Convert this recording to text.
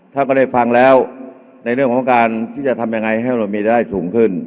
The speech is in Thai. ก็ได้ฟังแล้วในเรื่องของการที่จะทำยังไงให้เรามีได้สูงขึ้น